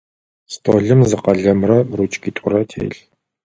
Столым зы къэлэмрэ ручкитӏурэ телъ.